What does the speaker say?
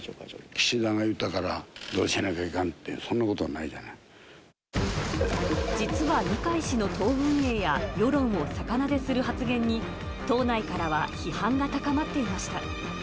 岸田が言ったから、どうしないといかんと、実は二階氏の党運営や世論を逆なでする発言に、党内からは批判が高まっていました。